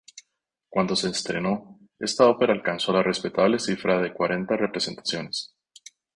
Cuando se estrenó, esta ópera alcanzó la respetable cifra de cuarenta representaciones.